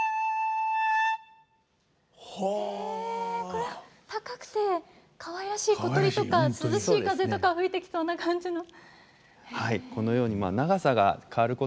これ高くてかわいらしい小鳥とか涼しい風とか吹いてきそうな感じの。